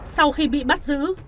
sau khi bị bắt giữ